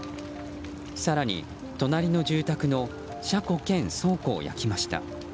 更に、隣の住宅の車庫兼倉庫を焼きました。